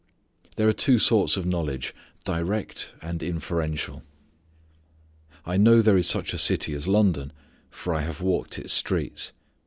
There are two sorts of knowledge, direct and inferential. I know there is such a city as London for I have walked its streets.